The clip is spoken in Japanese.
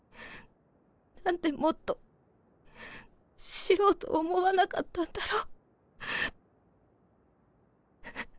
何でもっと知ろうと思わなかったんだろう。